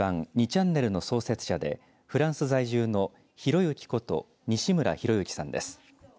ちゃんねるの創設者でフランス在住のひろゆきこと西村博之さんです。